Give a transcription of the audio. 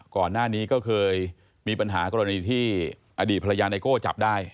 ก่อนหน้านี้ก็เคยมีปัญหากรณีที่อดีตภรรยาไนโก้จับได้